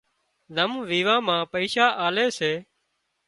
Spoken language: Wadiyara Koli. زم ويوان مان پئيشا آلي سي